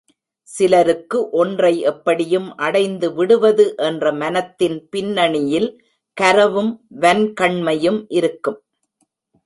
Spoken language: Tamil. சிலருக்கு ஒன்றை எப்படியும் அடைந்து விடுவது என்ற மனத்தின் பின்னணியில் கரவும் வன்கண்மையும் இருக்கும்.